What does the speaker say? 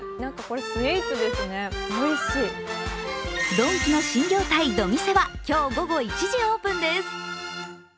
ドンキの新業態ドミセは今日午後１時オープンです。